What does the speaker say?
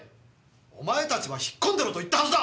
お前たちは引っ込んでろと言ったはずだ！